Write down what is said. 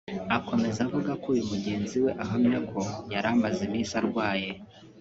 Akomeza avuga ko uyu mugenzi we ahamya ko yari amaze iminsi arwaye